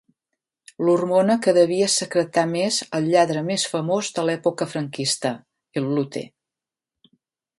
L'hormona que devia secretar més el lladre més famós de l'època franquista: el Lute.